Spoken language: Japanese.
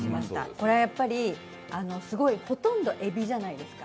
これはすごい、ほとんどえびじゃないですか。